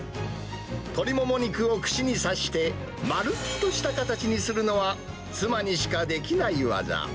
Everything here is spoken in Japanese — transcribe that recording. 鶏モモ肉を串に刺して、丸っとした形にするのは、妻にしかできない技。